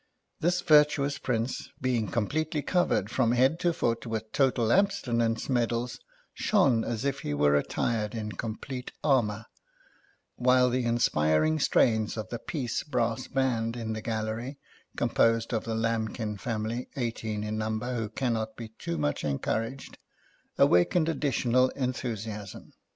This virtuous Prince, being completely covered from head to foot with Total Abstinence Medals, shone as if he were attired in complete armour; while the inspiring strains of the Peace Brass' Band in the gallery (composed of the Lamb kin Family, eighteen in number, who cannot be too much encouraged) awakened additional enthusiasm.